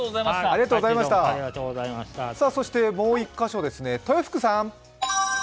そしてもう１カ所ですね、豊福さん。